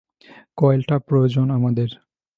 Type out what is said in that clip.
কয়েলটা প্রয়োজন আমাদের।